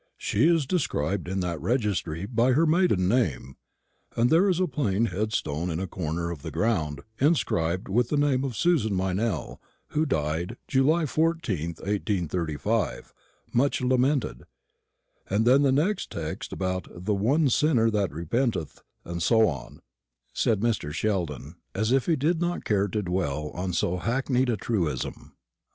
She is described in that registry by her maiden name, and there is a plain headstone in a corner of the ground, inscribed with the name of Susan Meynell, who died July 14th, 1835, much lamented; and then the text about 'the one sinner that repenteth,' and so on," said Mr. Sheldon, as if he did not care to dwell on so hackneyed a truism.